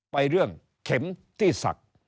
ไปเรื่องเข็มที่ศักดิ์